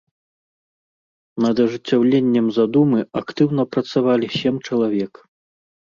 Над ажыццяўленнем задумы актыўна працавалі сем чалавек.